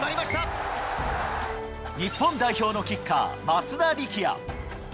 日本代表のキッカー、松田力也。